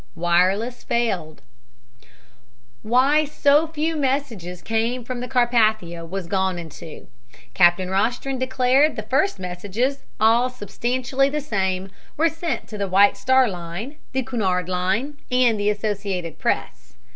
WIRELESS FAILED Why so few messages came from the Carpathia was gone into. Captain Rostron declared the first messages, all substantially the same, were sent to the White Star Line, the Cunard Line and the Associated Press.